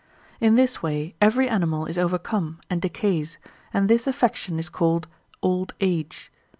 In this way every animal is overcome and decays, and this affection is called old age.